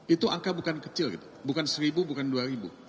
itu angka bukan kecil gitu bukan seribu bukan dua ribu